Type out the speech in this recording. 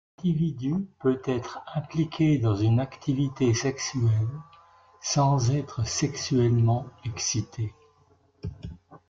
Un individu peut être impliqué dans une activité sexuelle sans être sexuellement excité.